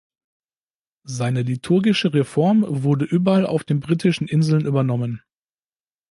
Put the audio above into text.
Seine liturgische Reform wurde überall auf den britischen Inseln übernommen.